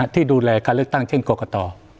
ที่ดูแลการเลือกตั้งเช่นกรกต